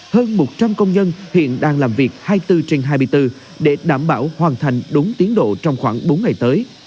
hơn một trăm linh công nhân hiện đang làm việc hai mươi bốn trên hai mươi bốn để đảm bảo hoàn thành đúng tiến độ trong khoảng bốn ngày tới